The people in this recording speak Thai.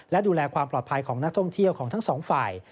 และดูแลความปลอดภัยของนักท่องเที่ยวของทั้งสองฝ่าย